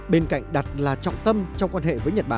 bên cạnh đặt là trọng tâm trong quan hệ với nhật bản